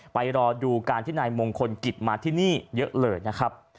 รอดูการที่นายมงคลกิจมาที่นี่เยอะเลยนะครับ